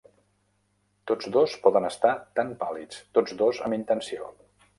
Tots dos poden estar tan pàl·lids, tots dos amb intenció.